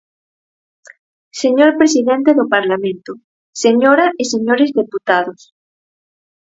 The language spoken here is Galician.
Señor presidente do Parlamento, señora e señores deputados.